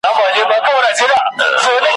په لستوڼي کي خنجر د رقیب وینم ,